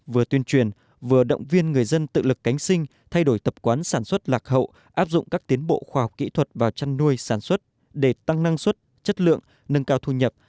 vừa tuyên truyền vừa động viên người dân tự lực cánh sinh thay đổi tập quán sản xuất lạc hậu áp dụng các tiến bộ khoa học kỹ thuật vào chăn nuôi sản xuất để tăng năng suất chất lượng nâng cao thu nhập